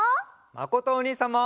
まことおにいさんも！